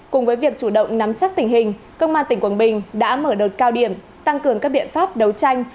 cùng với việc chủ động nắm chắc tình hình công an tỉnh quảng bình đã mở đợt cao điểm tăng cường các biện pháp đấu tranh